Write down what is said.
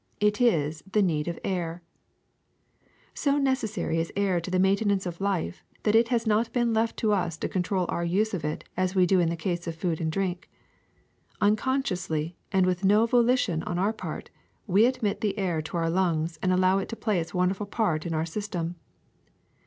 It is the need of air. '' So necessary is air to the maintenance of life that it has not been left to us to control our use of it as we do in the case of food and drink. Unconsciously, and with no volition on our part, we admit the air to our lungs and allow it to play its wonderful part in our system.